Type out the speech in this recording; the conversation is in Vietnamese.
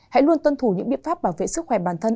hãy luôn tuân thủ những biện pháp bảo vệ sức khỏe bản thân